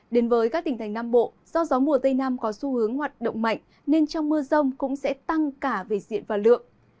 đến với các tỉnh thành nam bộ do gió mùa tây nam có xu hướng hoạt động mạnh nên trong mưa rông cũng sẽ tăng cả về diện và lượng